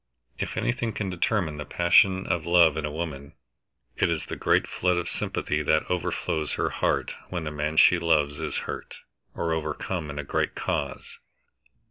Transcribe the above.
If anything can determine the passion of love in a woman, it is the great flood of sympathy that overflows her heart when the man she loves is hurt, or overcome in a great cause.